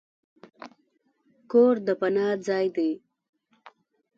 کور د پناه ځای دی.